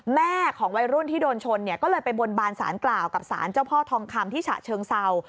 แม่ของวัยรุ่นที่โดนชนเนี่ยก็เลยไปบนบานสารกล่าวกับสารเจ้าพ่อทองคำที่ฉะเชิงเศร้า